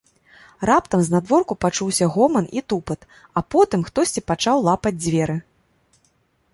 Раптам знадворку пачуўся гоман і тупат, а потым хтосьці пачаў лапаць дзверы.